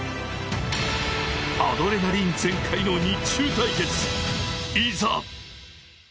アドレナリン全開の日中対決いざ！